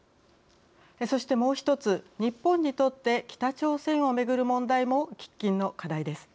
そしてもう一つ日本にとって北朝鮮をめぐる問題も喫緊の課題です。